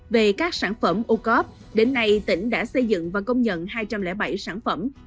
về các sản phẩm ô cớp đến nay tỉnh đã xây dựng và công nhận hai trăm linh bảy sản phẩm